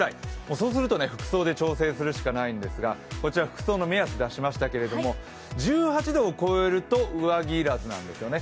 そうすると、服装で調整するしかないんですが、こちら服装の目安出しましたけれども、１８度を超えると上着要らずなんですよね。